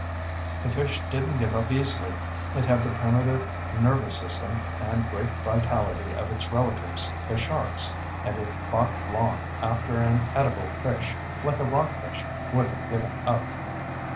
The fish didn't give up easily. It had the primitive nervous system and great vitality of its relatives, the sharks, and it fought long after an edible fish, like a rockfish, would have given up.